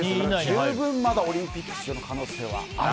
十分まだオリンピック出場の可能性はあると。